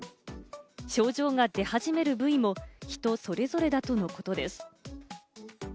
症状が出始める部位も人それぞれだとのことです。